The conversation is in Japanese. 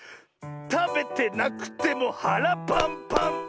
たべてなくてもはらパンパン！